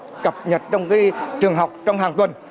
đưa được vào cập nhật trong cái trường học trong hàng tuần